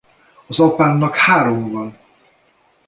Az apámnak három van!